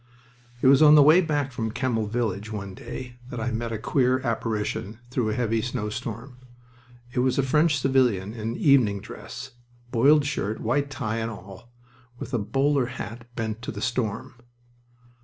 It was on the way back from Kemmel village one day that I met a queer apparition through a heavy snowstorm. It was a French civilian in evening dress boiled shirt, white tie, and all with a bowler hat bent to the storm.